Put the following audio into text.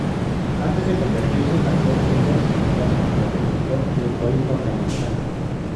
Antes de convertirse en actor, solía desempeñarse como conductor en el país norteamericano.